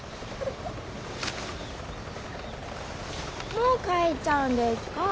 もう帰っちゃうんでちゅか？